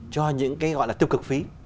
cho những cái gọi là tiêu cực phí